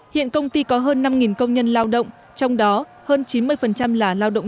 hiện công ty có hơn năm công nhân lao động trong đó hơn chín mươi là lao động